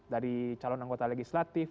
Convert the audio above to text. dari calon anggota legislatif